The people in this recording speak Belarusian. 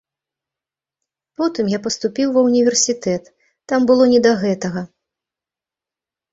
Потым я паступіў ва ўніверсітэт, там было не да гэтага.